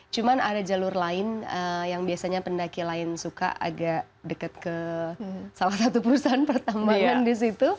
cuman ada jalur lain yang biasanya pendaki lain suka agak deket ke salah satu perusahaan pertama kan di situ